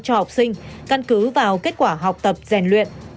cho học sinh căn cứ vào kết quả học tập rèn luyện